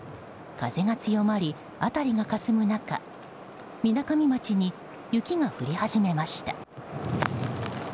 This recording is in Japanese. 風が強まり、辺りがかすむ中みなかみ町に雪が降り始めました。